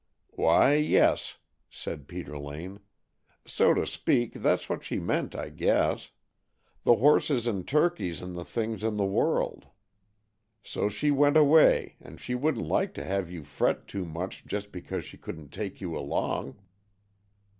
"Why, yes," said Peter Lane. "So to speak, that's what she meant, I guess. The horses and turkeys and the things in the world. So she went away, and she wouldn't like to have you fret too much just because she couldn't take you along."